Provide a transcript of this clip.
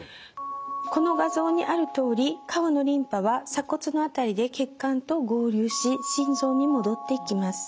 この画像にあるとおり顔のリンパは鎖骨の辺りで血管と合流し心臓に戻っていきます。